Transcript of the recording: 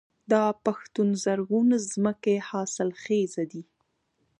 د پښتون زرغون ځمکې حاصلخیزه دي